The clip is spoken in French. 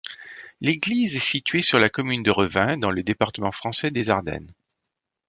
L'église est située sur la commune de Revin, dans le département français des Ardennes.